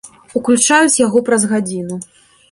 Уключаюць яго праз гадзіну.